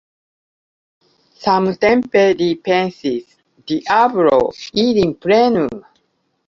Samtempe li pensis: Diablo ilin prenu!